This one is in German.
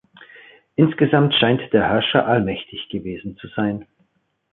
Insgesamt scheint der Herrscher allmächtig gewesen zu sein.